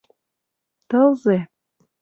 «Тылзе!